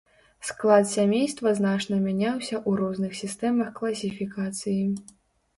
Склад сямейства значна мяняўся ў розных сістэмах класіфікацыі.